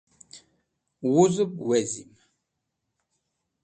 Wuzẽb wezin.